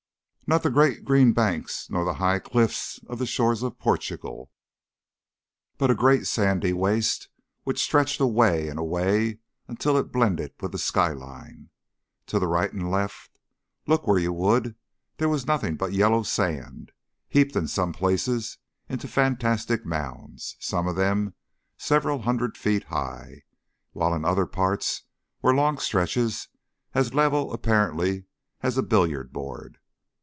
Not the green banks nor the high cliffs of the shores of Portugal, but a great sandy waste which stretched away and away until it blended with the skyline. To right and left, look where you would, there was nothing but yellow sand, heaped in some places into fantastic mounds, some of them several hundred feet high, while in other parts were long stretches as level apparently as a billiard board.